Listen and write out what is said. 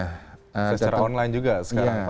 secara online juga sekarang para pelaku